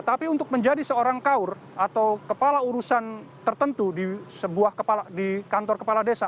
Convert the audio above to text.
tapi untuk menjadi seorang kaur atau kepala urusan tertentu di kantor kepala desa